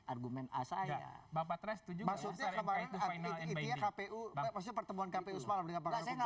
argumen asaya bapak restu juga sosok kembali ke kpu pertemuan kpu semalam dengan pak rasyid